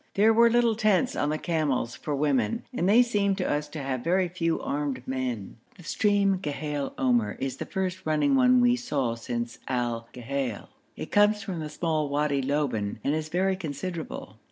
There were little tents on the camels for women, and they seemed to us to have very few armed men. The stream Ghail Omr is the first running one we saw since Al Ghail. It comes from the small Wadi Loban and is very considerable.